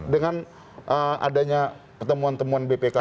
dengan adanya temuan temuan bpk seperti ini